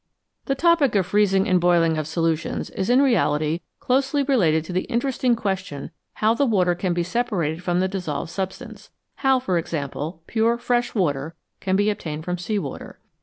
The topic of the freezing and boiling of solutions is in reality closely related to the interesting question how the water can be separated from the dissolved substance how, for example, pure fresh water can be obtained from sea water.